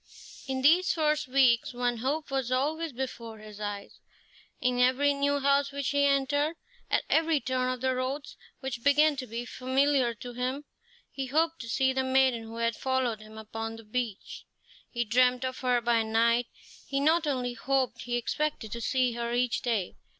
In these first weeks one hope was always before his eyes. In every new house which he entered, at every turn of the roads, which began to be familiar to him, he hoped to see the maiden who had followed him upon the beach. He dreamed of her by night; he not only hoped, he expected to see her each day.